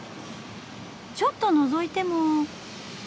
ちょっとのぞいても？